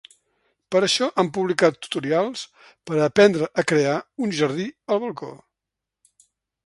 Per això, han publicat tutorials per a aprendre a crear un jardí al balcó.